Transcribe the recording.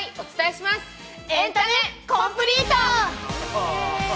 「エンタメコンプリート」。